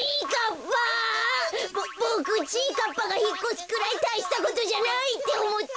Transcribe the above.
かっぱがひっこすくらいたいしたことじゃないっておもってた。